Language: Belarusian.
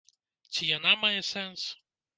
Ці яна мае сэнс?